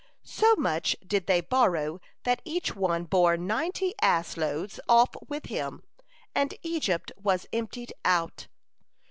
So much did they borrow, that each one bore ninety ass loads off with him, and Egypt was emptied out.